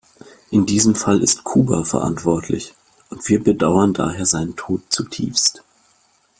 In diesem Fall ist Kuba verantwortlich, und wir bedauern daher seinen Tod zutiefst.